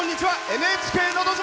「ＮＨＫのど自慢」